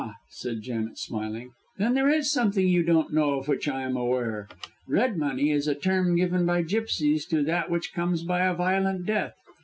said Janet, smiling, "then there is something you don't know of which I am aware. Red money is a term given by gipsies to that which comes by a violent death.